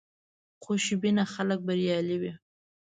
خوشبینه خلک بریالي وي.